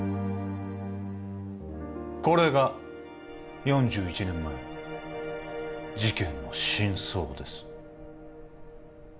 これが４１年前の事件の真相です